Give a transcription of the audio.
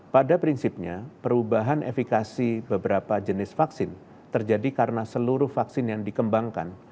pada prinsipnya perubahan efikasi beberapa jenis vaksin terjadi karena seluruh vaksin yang dikembangkan